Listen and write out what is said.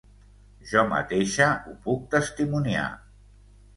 Jo mateixa ho puc testimoniar!